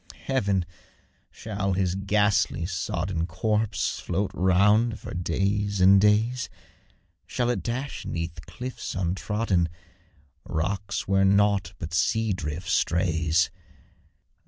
Heaven! shall HIS ghastly, sodden Corpse float round for days and days? Shall it dash 'neath cliffs untrodden, Rocks where nought but sea drift strays?